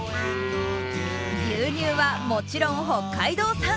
牛乳はもちろん北海道産。